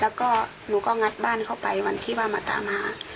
แล้วก็หนูก็งัดบ้านเข้าไปวันที่ว่ามาตามหา